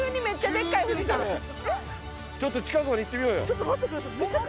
ちょっと近くまで行ってみようよ。